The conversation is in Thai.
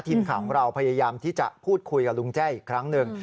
ทีมข่าวของเราพยายามที่จะพูดคุยกับลุงแจ้อีกครั้งหนึ่ง